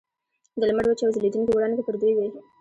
د لمر وچې او ځلیدونکي وړانګې پر دوی وې.